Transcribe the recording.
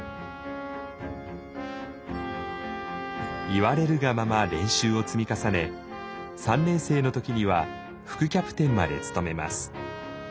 言われるがまま練習を積み重ね３年生の時には副キャプテンまで務めます。